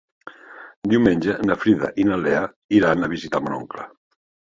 Diumenge na Frida i na Lea iran a visitar mon oncle.